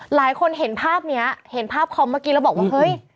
หลายคนเห็นภาพนี้เห็นภาพคอมเมื่อกี้แล้วบอกว่าเฮ้ย